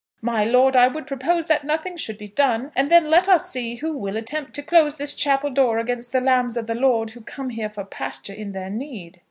"My lord, I would propose that nothing should be done; and then let us see who will attempt to close this chapel door against the lambs of the Lord who come here for pasture in their need."